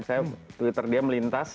saya twitter dia melintas